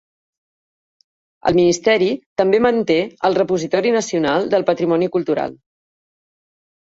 El ministeri també manté el Repositori Nacional del Patrimoni Cultural.